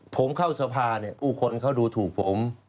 ผมเข้าสภาเนี่ยผู้คนเขาดูถูกผม